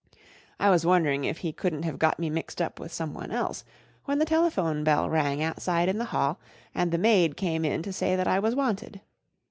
I was wondering if he couldn't have got me mixed up with someone else, when the telephone bell rang outside in the hall, and the maid came in to say that I was wanted.